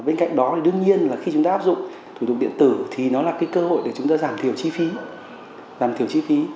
bên cạnh đó thì đương nhiên là khi chúng ta áp dụng thủ tục điện tử thì nó là cái cơ hội để chúng ta giảm thiểu chi phí